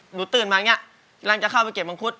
หนูตื่นมานี่หลังจากเข้าไปเก็บบางพุธ